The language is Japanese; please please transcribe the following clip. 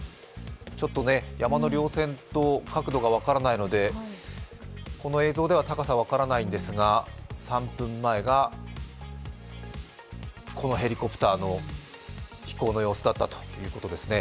山のりょう線と角度が分からないのでこの映像では高さが分からないんですが３分前がこのヘリコプターの飛行の様子だったということですね。